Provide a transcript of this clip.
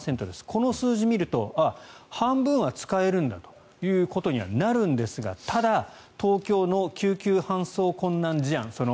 この数字を見るとあ、半分は使えるんだということにはなるんですがただ、東京の救急搬送困難事案